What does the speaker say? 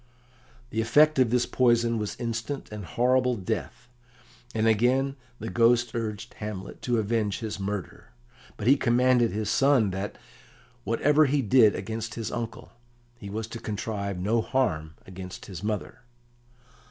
] The effect of this poison was instant and horrible death, and again the Ghost urged Hamlet to avenge his murder. But he commanded his son that, whatever he did against his uncle, he was to contrive no harm against his mother.